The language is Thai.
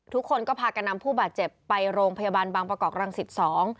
ทุกคนก็พากันนำผู้บาดเจ็บไปโรงพยาบาลบางประกอบรังสิตสอง